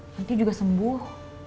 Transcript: nanti juga sembuh